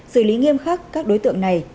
xử lý nghiêm khắc các đối tượng này